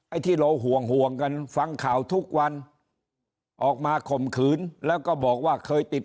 ที่เราห่วงห่วงกันฟังข่าวทุกวันออกมาข่มขืนแล้วก็บอกว่าเคยติด